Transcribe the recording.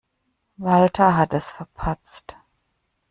Walter hat es verpatzt.